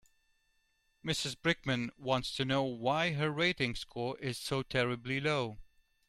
Mrs Brickman wants to know why her rating score is so terribly low.